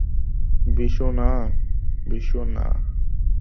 বিশু, না।